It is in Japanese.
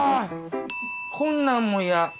こんなんも嫌。